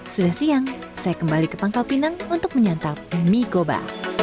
sudah siang saya kembali ke pangkal pinang untuk menyantap mie goba